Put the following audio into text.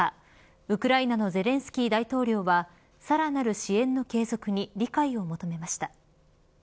ウクライナのゼレンスキー大統領はさらなる支援の継続に理解を求めました。